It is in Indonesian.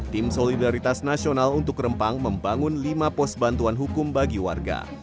tim solidaritas nasional untuk rempang membangun lima pos bantuan hukum bagi warga